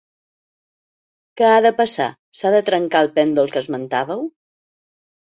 Què ha de passar, s’ha de trencar el pèndol que esmentàveu?